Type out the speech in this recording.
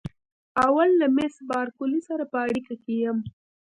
اوس له مېس بارکلي سره په اړیکه کې یم.